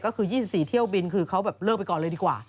ก็คือ๒๔เที่ยวบินคือเขาแบบเลิกไปก่อนเลยดีกว่า